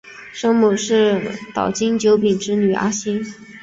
生母是岛津久丙之女阿幸。